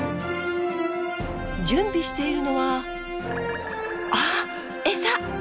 準備しているのはあ餌！